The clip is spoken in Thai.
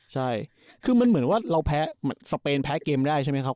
ใช่คือมันเหมือนว่าเราแพ้สเปนแพ้เกมได้ใช่ไหมครับ